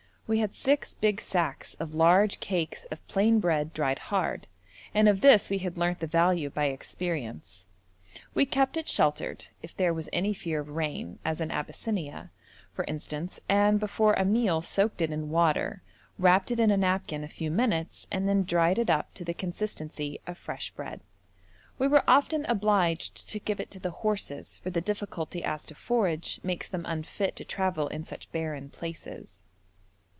We had six big sacks of large cakes of plain bread dried hard, and of this we had learnt the value by experience. We kept it sheltered, if there was any fear of rain, as in Abyssinia, for instance, and before a meal soaked it in water, wrapped it in a napkin a few minutes, and then dried it up to the consistency of fresh bread. We were often obliged to give it to the horses, for the difficulty as to forage makes them unfit to travel in such barren places.